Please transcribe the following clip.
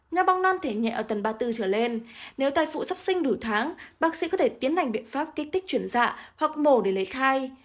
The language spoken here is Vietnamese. nho bong non thể nhẹ ở tuần ba mươi bốn trở lên nếu thai phụ sắp sinh đủ tháng bác sĩ có thể tiến hành biện pháp kích tích chuyển dạ hoặc mổ để lấy thai